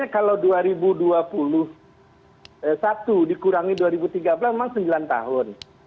kalau dua ribu dua puluh satu dikurangi dua ribu tiga belas memang sembilan tahun